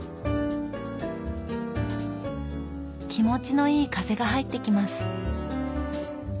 気持ちのいい風が入ってきます。